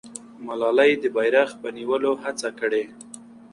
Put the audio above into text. ملالۍ د بیرغ په نیولو هڅه کړې.